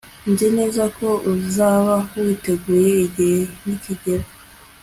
Nzi neza ko uzaba witeguye igihe nikigera